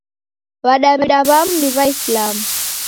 W'adaw'ida w'amu ni W'aisilamu.